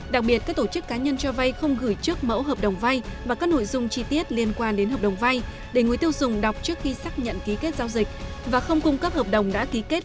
đặc biệt các tổ chức cá nhân cho vay không gửi trước mẫu hợp đồng vay và các nội dung chi tiết liên quan đến hợp đồng vay để người tiêu dùng đọc trước khi xác nhận ký kết giao dịch